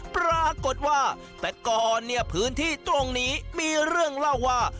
ปรากฏว่าแต่ก่อนเนี่ยพื้นที่ตรงนี้มีเรื่องเล่าว่า